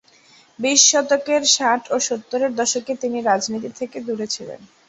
বিশ শতকের ষাট ও সত্তরের দশকে তিনি রাজনীতি থেকে দূরে ছিলেন।